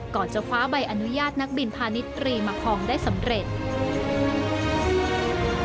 ก่อนจะฟ้าใบอนุญาตนักบินพาณิตรีมาพร้อมได้สำเร็จ